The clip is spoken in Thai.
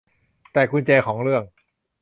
แต่กุญแจของเรื่อง